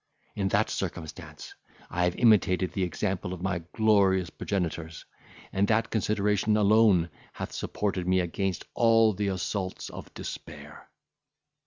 In that circumstance I have imitated the example of my glorious progenitors, and that consideration alone hath supported me against all the assaults of despair.